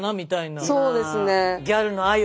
そうですね。